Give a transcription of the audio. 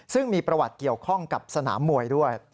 ซึ่งมีประวัติเกี่ยวข้องกับสนามมวยด้วย